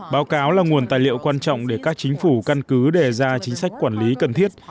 báo cáo là nguồn tài liệu quan trọng để các chính phủ căn cứ đề ra chính sách quản lý cần thiết